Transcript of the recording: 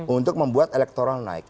untuk membuat elektoral naik